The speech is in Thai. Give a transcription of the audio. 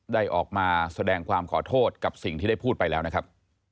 ได้ออกมาแสดงความขอโทษกับสิ่งที่ได้พูดไปแล้วนะครับ